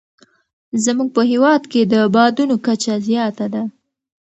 زموږ په هېواد کې د بادونو کچه زیاته ده.